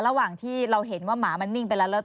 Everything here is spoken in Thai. ระหว่างที่เราเห็นว่าหมามันนิ่งไปแล้วแล้ว